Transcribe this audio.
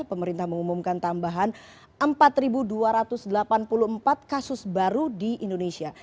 pemerintah mengumumkan tambahan empat dua ratus delapan puluh empat kasus baru di indonesia